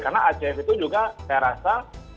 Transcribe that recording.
karena acs itu juga saya rasa